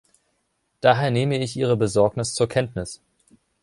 Daher nehme ich Ihre Besorgnis zur Kenntnis.